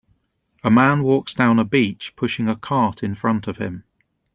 A man walks down a beach pushing a cart in front of him.